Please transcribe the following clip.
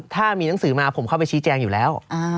ถ้ามีหนังสือมาผมเข้าไปชี้แจงอยู่แล้ว